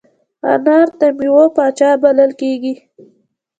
انار د میوو پاچا بلل کېږي.